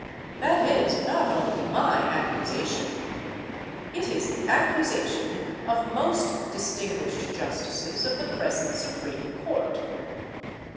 That is not only my accusation. It is the accusation of most distinguished justices of the present Supreme Court.